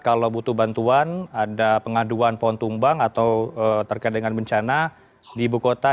kalau butuh bantuan ada pengaduan pohon tumbang atau terkait dengan bencana di ibu kota